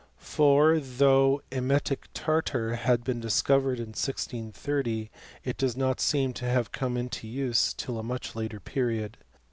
For though emetic tartar had been discovered in 1630, it does not seem to have come into use till a much later period.